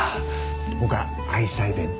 僕は愛妻弁当。